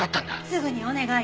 すぐにお願い。